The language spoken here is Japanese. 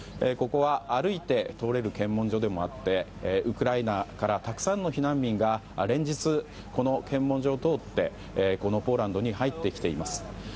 ここは歩いて通れる検問所でもあってウクライナからたくさんの避難民が、連日この検問所を通ってポーランドに入ってきています。